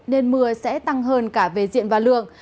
nên mưa sẽ tăng hơn cả về diện và lượng